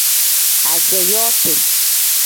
Ajaa yooti.